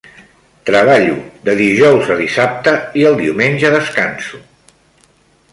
Treballo de dijous a dissabte, i el diumenge descanso.